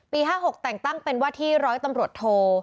๕๖แต่งตั้งเป็นว่าที่ร้อยตำรวจโท